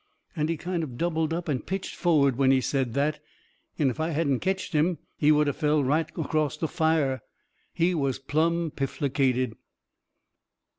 And he kind of doubled up and pitched forward when he said that, and if I hadn't ketched him he would of fell right acrost the fire. He was plumb pifflicated.